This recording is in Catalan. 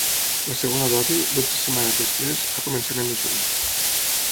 La segona dosi, dotze setmanes després, a començament de juny.